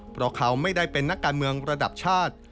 เพราะเขาไม่ได้เป็นนักการเมืองระดับชาติ